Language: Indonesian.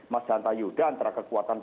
mas hanta yuda antara kekuatan